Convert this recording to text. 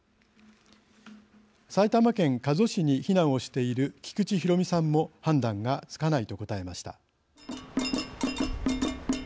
埼玉県加須市に避難をしている菊地浩美さんも判断がつかないと答えました。